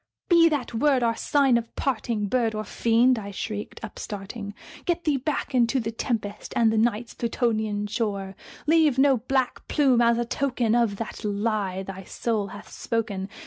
"Be that word our sign of parting, bird or fiend!" I shrieked, upstarting "Get thee back into the tempest and the Night's Plutonian shore! Leave no black plume as a token of that lie thy soul hath spoken!